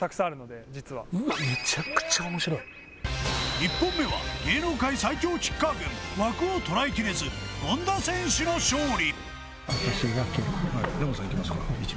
１本目は芸能界最強キッカー軍、枠をとらえきれず権田選手の勝利。